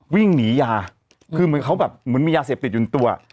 วิ่งหนียาคือเหมือนเขาแบบเหมือนมียาเสพติดอยู่ในตัว